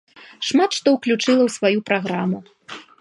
Шмат што ўключыла ў сваю праграму.